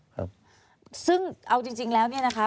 ซึ่งเอาจริงแล้วเนี่ยนะคะ